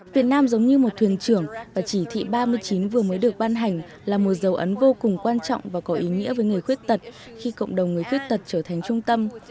việt nam giống như một thuyền trưởng và chỉ thị ba mươi chín vừa mới được ban hành là một dấu ấn vô cùng quan trọng và có ý nghĩa với người khuyết tật khi cộng đồng người khuyết tật trở thành trung tâm